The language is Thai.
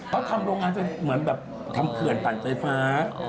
เขาทำโรงงานเหมือนแบบทำเขื่อนปั่นไฟฟ้า